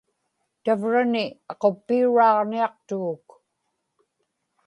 tavrani aquppiuraaġniaqtuguk